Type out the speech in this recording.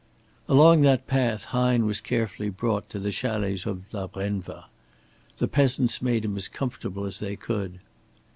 Along that path Hine was carefully brought to the chalets of La Brenva. The peasants made him as comfortable as they could.